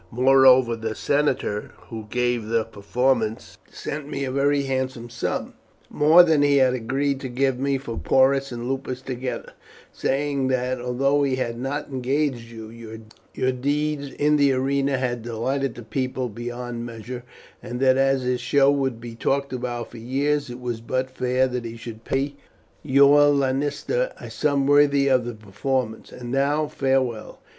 Moreover, the senator who gave the performances sent me a very handsome sum more than he had agreed to give me for Porus and Lupus together saying that, although he had not engaged you, your deeds in the arena had delighted the people beyond measure, and that as his show would be talked about for years, it was but fair he should pay your lanista a sum worthy of the performance. And now farewell!